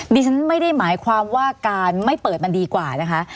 ดิฉันไม่ได้หมายความว่าการไม่เปิดมันดีกว่านะคะ